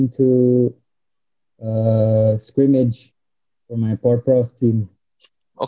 kemudian suatu hari kemudian dia datang ke scoring hills untuk mem standali keeeah him s temos high school